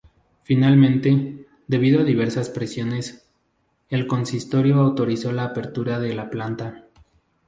Finalmente, debido a diversas presiones, el consistorio autorizó la apertura de la planta.